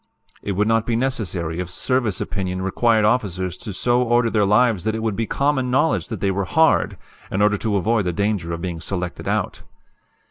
"It would not be necessary if service opinion required officers so to order their lives that it would be common knowledge that they were 'hard,' in order to avoid the danger of being selected out.